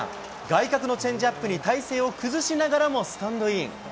外角のチェンジアップに体勢を崩しながらもスタンドイン。